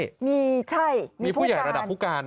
ใช่มีใช่มีผู้ใหญ่ระดับผู้การ